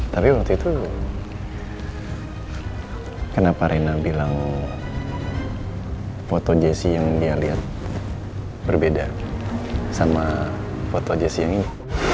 tapi waktu itu kenapa rena bilang foto jessy yang dia lihat berbeda sama foto jessy yang ini